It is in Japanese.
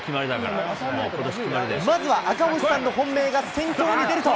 まずは赤星さんの本命が先頭に出ると。